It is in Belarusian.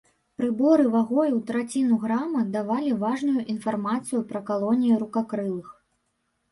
Прыборы вагой у траціну грама давалі важную інфармацыю пра калоніі рукакрылых.